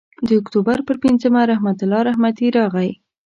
د اکتوبر پر پینځمه رحمت الله رحمتي راغی.